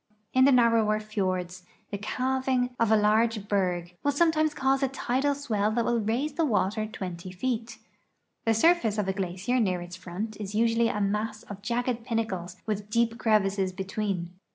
In the narrower ti(»r(ls the calving of a large berg will sometimes cause a tidal swell that will raise the water 20 feet. The surface of a glacier near its front is usually a mass of jagged pinnacles with deep crevas.ses betwaen.